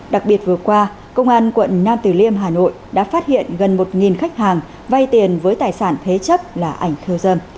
đặc biệt vừa qua công an quận nam từ liêm hà nội đã phát hiện gần một khách hàng vay tiền với tài sản thế chấp là ảnh khiêu dâm